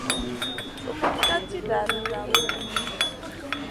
Sumun ka tì dari gaguduhu.